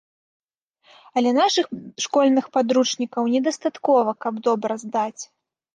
Але нашых школьных падручнікаў не дастаткова, каб добра здаць.